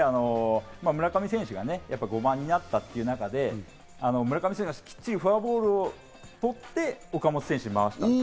村上選手が５番になったという中で、村上選手がきっちりフォアボールを取って、岡本選手に回した。